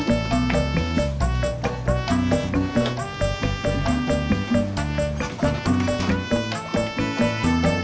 terus berangkat sama bunda